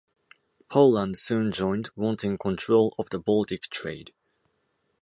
Poland soon joined, wanting control of the Baltic trade.